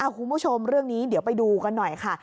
คุณผู้ชมเรื่องนี้เดี๋ยวไปดูกันหน่อยค่ะ